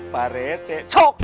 pak rete cuk